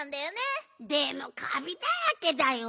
でもカビだらけだよ。